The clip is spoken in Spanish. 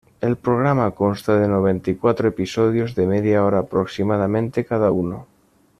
El programa consta de noventa y cuatro episodios de media hora aproximadamente cada uno.